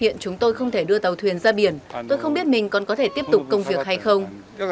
hiện chúng tôi không thể đưa tàu thuyền ra biển tôi không biết mình còn có thể tiếp tục công việc hay không